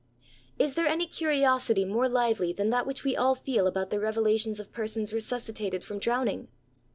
Is there any curiosity more lively than that which we all feel about the revelations of persons resuscitated from drowning?